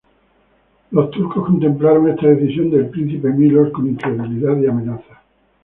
Los turcos contemplaron esta decisión del príncipe Miloš con incredulidad y amenaza.